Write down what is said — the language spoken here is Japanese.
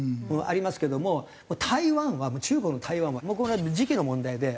ありますけども台湾は中国と台湾は向こうの時期の問題で。